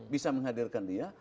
bisa menghadirkan dia